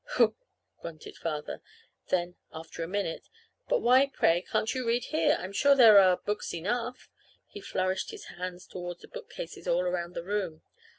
"Humph!" grunted Father. Then, after a minute: "But why, pray, can't you read here? I'm sure there are books enough." He flourished his hands toward the bookcases all around the room.